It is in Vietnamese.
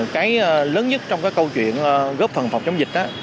cái lớn nhất trong cái câu chuyện góp phần phòng chống dịch đó